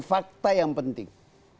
fakta yang penting